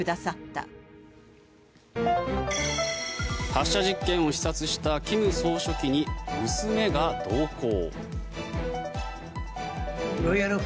発射実験を視察した金総書記に娘が同行。